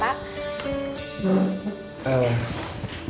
terima kasih pak